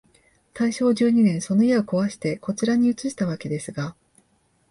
大正十二年、その家をこわして、こちらに移したわけですが、